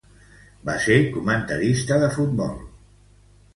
Va ser comentarista de Fútbol Para Todos.